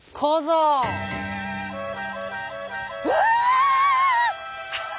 「うわ！」。